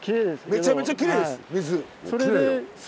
めちゃめちゃきれいです水。